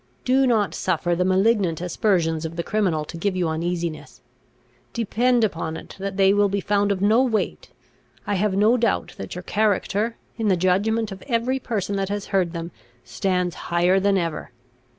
Do not suffer the malignant aspersions of the criminal to give you uneasiness. Depend upon it that they will be found of no weight I have no doubt that your character, in the judgment of every person that has heard them, stands higher than ever.